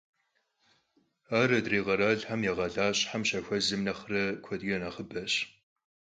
Ar adrêy kheralxem ya khalaşhexem şaxuezem nexhre kuedç'e nexhıbeş.